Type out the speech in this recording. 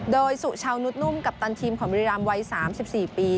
โดยสุชาวนุษนุ่มกัปตันทีมของบุรีรำวัย๓๔ปี